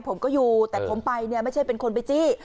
ผมก็อยู่แต่ผมไปเนี่ยไม่ใช่เป็นคนไปจี้